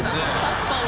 確かに。